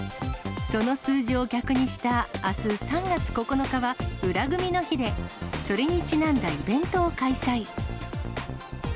その数字を逆にしたあす３月９日は、裏グミの日で、それにちなんだイベントを開催。